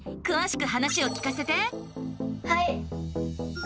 はい！